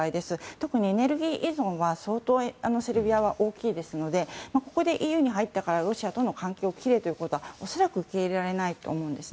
特にエネルギー依存は相当セルビアは大きいですのでここでＥＵに入ったからロシアとの関係を切れということは恐らく受け入れられないと思います。